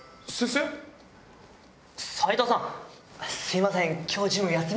すいません。